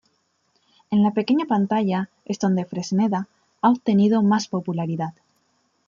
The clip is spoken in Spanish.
En la pequeña pantalla es donde Fresneda ha obtenido más popularidad.